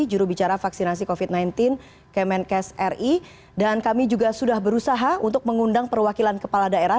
jurubicara vaksinasi covid sembilan belas kemenkes ri dan kami juga sudah berusaha untuk mengundang perwakilan kepala daerah